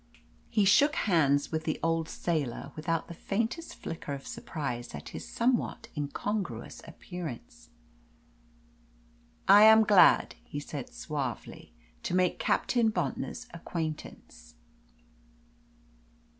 He shook hands with the old sailor without the faintest flicker of surprise at his somewhat incongruous appearance. "I am glad," he said suavely, "to make Captain Bontnor's acquaintance."